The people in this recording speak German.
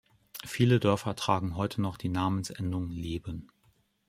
Viele Dörfer tragen heute noch die Namensendung "-leben".